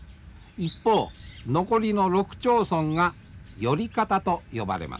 一方残りの６町村が寄方と呼ばれます。